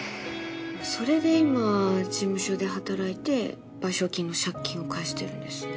それで今事務所で働いて賠償金の借金を返してるんですね。